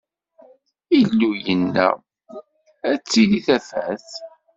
Illu yenna: Ad d-tili tafat!